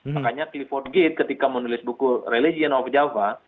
makanya clifford gate ketika menulis buku religion of java